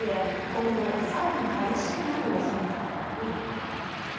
今後さらに激しくなる恐れが。